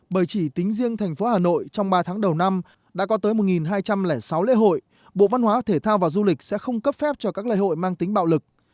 bởi chỉ tính riêng thành phố hà nội trong ba tháng đầu năm đã có tới một hai trăm linh sáu lễ hội bộ văn hóa thể thao và du lịch sẽ không cấp phép cho các lễ hội mang tính bạo lực